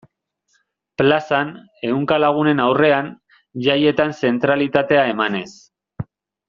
Plazan, ehunka lagunen aurrean, jaietan zentralitatea emanez.